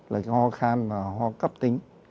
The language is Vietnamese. là cái ho khan ho cấp tính